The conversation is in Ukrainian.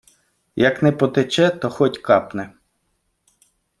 Як не потече, то хоть капне.